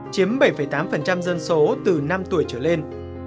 chiếm bảy tám dân số từ năm tuổi trở lên